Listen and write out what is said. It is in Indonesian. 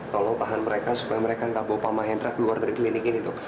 tolong tahan mereka supaya mereka nggak bawa pak mahendra keluar dari klinik ini dok